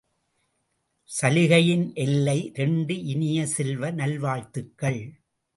சலுகையின் எல்லை இரண்டு இனிய செல்வ, நல்வாழ்த்துக்கள்!